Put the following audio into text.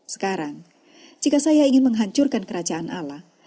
sekarang jika saya ingin menghancurkan kerajaan allah